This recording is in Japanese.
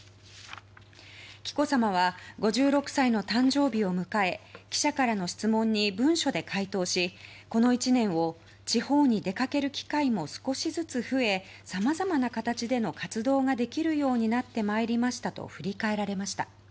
紀子さまは５６歳の誕生日を迎え記者からの質問に文書で回答しこの１年を地方に出かける機会も少しずつ増えさまざまな形での活動ができるようになってまいりましたと振り返られました。